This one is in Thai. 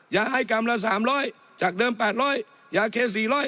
ยาไอกำละ๓๐๐จากเดิม๘๐๐ยาเค๔๐๐